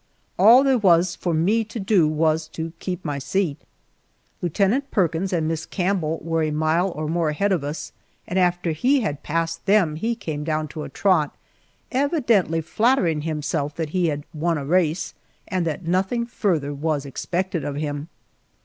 All there was for me to do was to keep my seat. Lieutenant Perkins and Miss Campbell were a mile or more ahead of us, and after he had passed them he came down to a trot, evidently flattering himself that he had won a race, and that nothing further was expected of him.